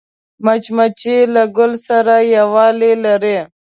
مچمچۍ له ګل سره یووالی لري